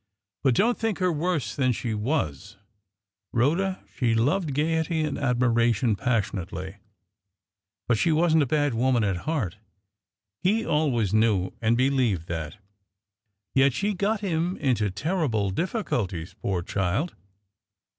But don't think her worse than she was, Rhoda she loved gaiety and admiration passionately, but she wasn't a bad woman at heart he always knew and believed that; yet she got him into terrible difficulties, poor child!